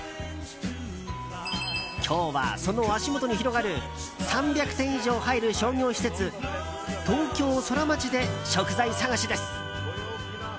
今日は、その足元に広がる３００店以上入る商業施設東京ソラマチで食材探しです。